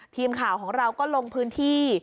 ทีมข่าวของเราก็ลงพื้นที่